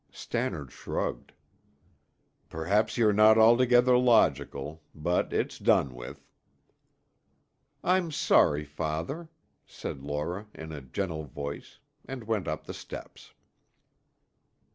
Stannard shrugged. "Perhaps you're not altogether logical; but it's done with." "I'm sorry, father," said Laura in a gentle voice and went up the steps.